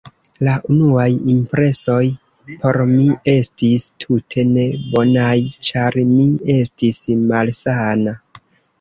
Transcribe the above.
La unuaj impresoj por mi estis tute ne bonaj, ĉar mi estis malsana.